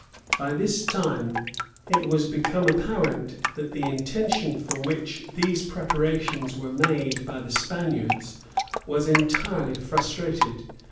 By this time, it was become apparent, that the intention for which these preparations were made by the Spaniards was entirely frustrated.